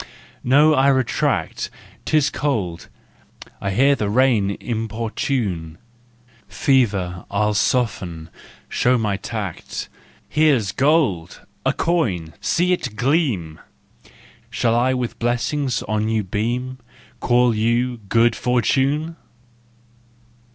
No, I retract, 'Tis cold— I hear the rain importune— Fever, IT1 soften, show my tact: Here's gold—a coin—see it gleam ! Shall I with blessings on you beam, Call you " good fortune